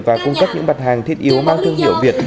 và cung cấp những mặt hàng thiết yếu mang thương hiệu việt